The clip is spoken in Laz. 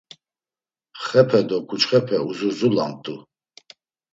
Xepe do ǩuçxepe uzurzulamt̆u.